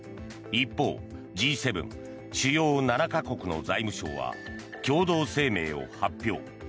一方Ｇ７・主要７か国の財務相は共同声明を発表。